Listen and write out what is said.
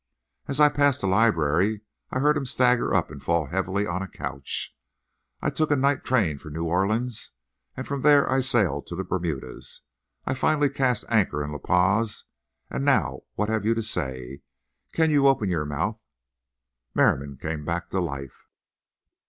As I passed the library I heard him stagger up and fall heavily on a couch. I took a night train for New Orleans, and from there I sailed to the Bermudas. I finally cast anchor in La Paz. And now what have you to say? Can you open your mouth?" Merriam came back to life.